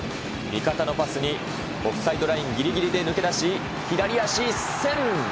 味方のパスに、オフサイドラインぎりぎりに抜け出し、左足一せん。